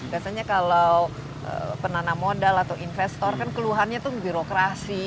biasanya kalau penanam modal atau investor kan keluhannya itu birokrasi